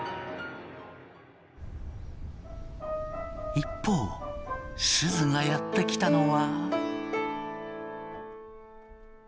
一方すずがやって来たのは。